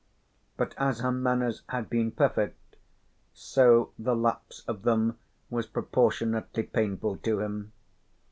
But as her manners had been perfect, so the lapse of them was proportionately painful to him.